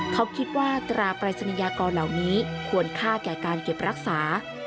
เขาคิดว่าตราปรายศนียากรเหล่านี้ควรค่าแก่การเก็บรักษา